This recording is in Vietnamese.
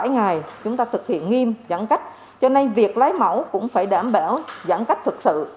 bảy ngày chúng ta thực hiện nghiêm giãn cách cho nên việc lấy mẫu cũng phải đảm bảo giãn cách thực sự